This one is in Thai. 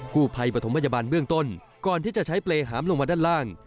กู้ภัยปฐมพยาบาลเบื้องต้นก่อนที่จะใช้เปรยหามลงมาด้านล่าง